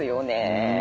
うん。